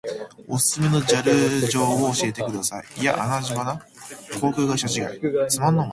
おすすめのジャル場を教えてください。いやアナ場な。航空会社違い。